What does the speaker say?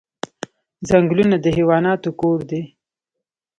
ځنګلونه د حیواناتو کور دی